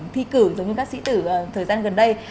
thi cử giống như các sĩ tử thời gian gần đây